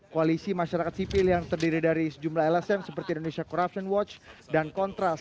koalisi masyarakat sipil yang terdiri dari sejumlah lsm seperti indonesia corruption watch dan kontras